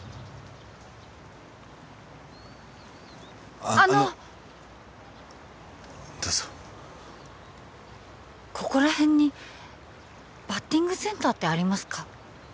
あのあのどうぞここら辺にバッティングセンターってありますか？